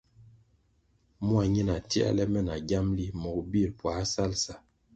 Mua ñina tierle me na giamli mogo bir puáh sal sa.